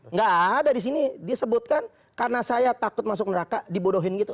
nggak ada di sini disebutkan karena saya takut masuk neraka dibodohin gitu